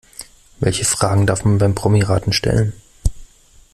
Welche Fragen darf man beim Promiraten stellen?